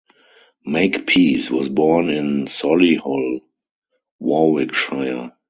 Makepeace was born in Solihull, Warwickshire.